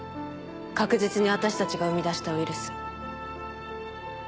確実に私たちが生み出したウイルス。